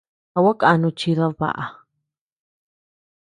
¿A gua kanu chidad baʼa?